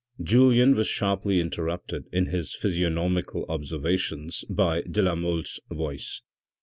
Julien was sharply interrupted in his physiognomical observations by de la Mole's voice.